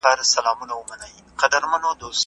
¬ هم ئې سوځي، هم ئې ورکوي.